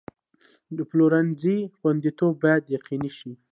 د پلورنځي خوندیتوب باید یقیني شي.